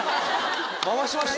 回しました？